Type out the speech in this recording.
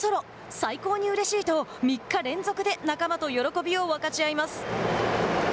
最高にうれしいと３日連続で仲間と喜びを分かち合います。